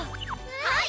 はい！